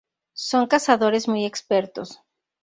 Son cazadores muy expertos.